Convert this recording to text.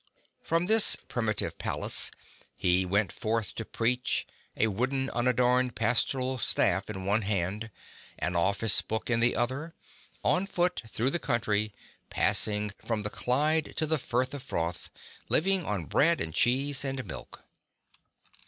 From this primi tive palace he went forth to preach, a wooden, unadorned pastoral stafif in one hand, an office book in the other, on foot through the country, passing from the Clyde to the Firth of Forth, living on bread and cheese and milk.